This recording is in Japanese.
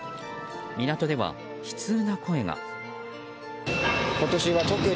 港では悲痛な声が。